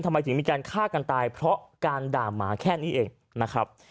ทำไมถึงมีการฆ่ากันตายเพราะการด่าหมาแค่นี้เองนะครับ